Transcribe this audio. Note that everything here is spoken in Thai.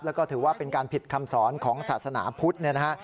แล้วก็ถือว่าเป็นการผิดคำสอนของศาสนาพุทธเนี่ยนะฮะ